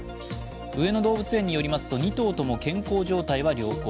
上野動物園によりますと２頭とも健康状態は良好。